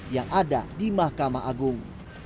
yang ada di mahkamah agung